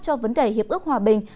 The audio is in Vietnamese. cho vấn đề hiệp ước hòa bình